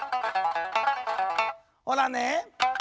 ほらね！